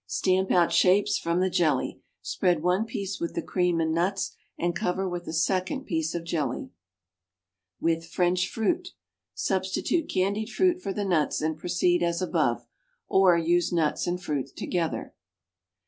Stamp out shapes from the jelly. Spread one piece with the cream and nuts and cover with a second piece of jelly. =With French Fruit.= Substitute candied fruit for the nuts and proceed as above, or use nuts and fruit together.